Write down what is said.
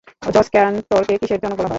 George ক্যান্টরকে কিসের জনক বলা হয়?